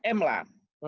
empat m lah